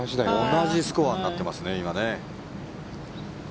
同じスコアになっていますね。